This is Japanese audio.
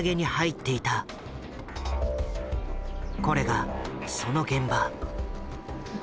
これがその現場。